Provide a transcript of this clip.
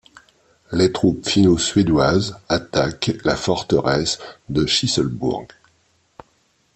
Les troupes finno-suédoises attaquent la forteresse de Chlisselbourg.